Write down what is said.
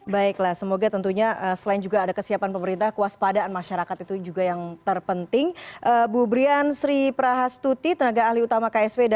baiklah semoga tentunya selain juga ada kesiapan pemerintah kuas padaan masyarakat itu juga yang terima